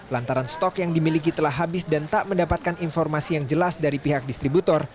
lantaran stok yang dimiliki telah habis dan tak mendapatkan informasi yang jelas dari pihak distributor